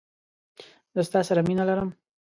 زه ستا سره مينه لرم.